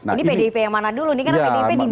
ini pdip yang mana dulu nih karena pdip di dp